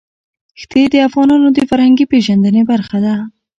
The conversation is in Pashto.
ښتې د افغانانو د فرهنګي پیژندنې برخه ده.